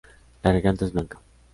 La garganta es blanca.